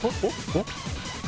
おっ？